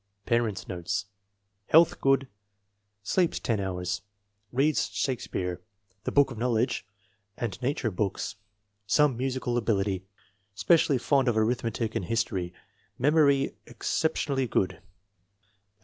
Parents' notes. Health good; sleeps ten hours. 216 INTELLIGENCE OF SCHOOL CHILDREN Beads Shakespeare, the Book of Knowledge, and na ture books. Some musical ability. Specially fond of arithmetic and history. Memory exceptionally good.